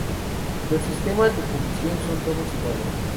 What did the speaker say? Los sistemas de cubrición son todos iguales.